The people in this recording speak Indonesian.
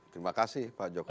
terima kasih pak jokowi